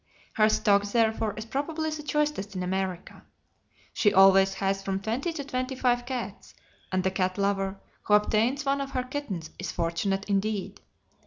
Her stock, therefore, is probably the choicest in America. She always has from twenty to twenty five cats, and the cat lover who obtains one of her kittens is fortunate indeed.